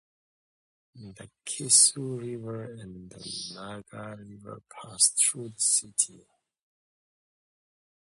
The Kiso River and the Nagara River pass through the city.